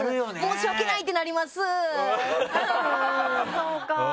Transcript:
そうか。